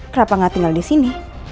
kenapa gak tinggal disini